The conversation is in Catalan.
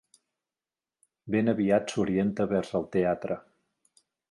Ben aviat s'orienta vers el teatre.